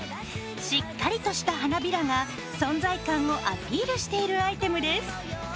しっかりとした花びらが存在感をアピールしているアイテムです。